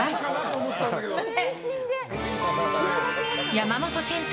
山本賢太